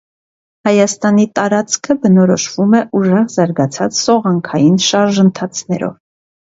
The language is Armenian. Հայաստանի տարածքը բնորոշվում է ուժեղ զարգացած սողանքային շարժընթացներով։